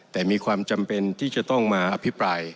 แต่มีความจำเป็นที่จะต้องมาอภิปราย